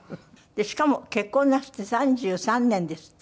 しかも結婚なすって３３年ですって？